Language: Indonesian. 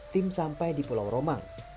tim sampai di pulau romang